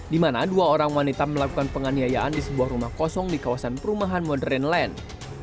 di mana dua orang wanita melakukan penganiayaan di sebuah rumah kosong di kawasan perumahan modern land